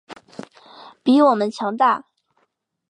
比我们强大